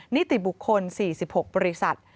นิติบุคคล๔๖บริษัท